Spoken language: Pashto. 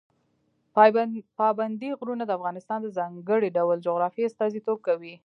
پابندی غرونه د افغانستان د ځانګړي ډول جغرافیه استازیتوب کوي.